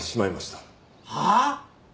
はあ？